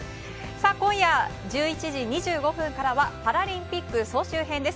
今夜１１時２５分からはパラリンピック総集編です。